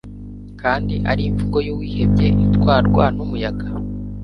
kandi ari imvugo y'uwihebye itwarwa n'umuyaga